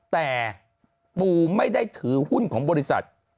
แต่ปูไม่ได้ถือหุ้นของบริษัท